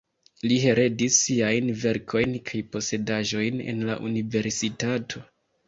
Li heredis siajn verkojn kaj posedaĵojn al la universitato.